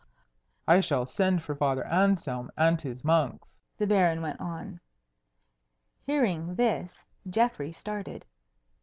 "I shall send for Father Anselm and his monks," the Baron went on. Hearing this Geoffrey started.